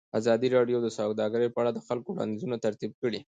ازادي راډیو د سوداګري په اړه د خلکو وړاندیزونه ترتیب کړي.